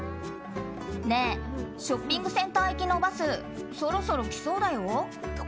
ねえショッピングセンター行きのバスそろそろ来そうだよ。